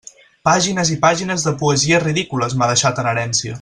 Pàgines i pàgines de poesies ridícules m'ha deixat en herència!